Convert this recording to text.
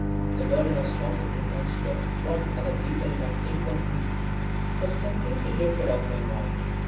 The burden of stopping to consider what other people might think of me was completely lifted off my mind.